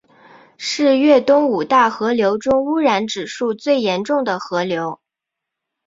是粤东五大河流中污染指数最严重的河流。